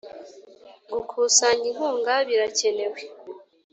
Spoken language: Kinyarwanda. gukusanya inkunga birakenewe